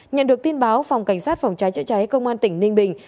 nhận được tin báo phòng cảnh sát phòng cháy chữa cháy công an tỉnh ninh bình